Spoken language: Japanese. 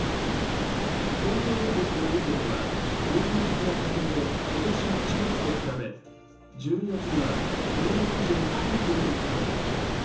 東京電力のエリアでは標準的な家庭で今年１月と比べ１２月には１０００円以上高くなることに。